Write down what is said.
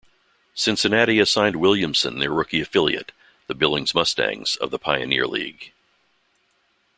Cincinnati assigned Williamson their rookie affiliate, the Billings Mustangs of the Pioneer League.